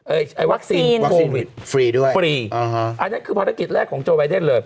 เอ่ยไวรัสฟรีด้วยฟรีอ่าฮะอันนั้นคือภารกิจแรกของโจ้ไบเดนเลย